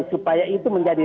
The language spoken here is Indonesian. sehingga itu menjadi